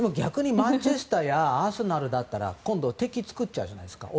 マンチェスターやアーセナルだったら今度は敵作っちゃいますから。